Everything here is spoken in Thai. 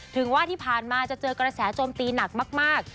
ถึงว่าที่ผ่านมาจะเจอกระแสโจมตีหนักมาก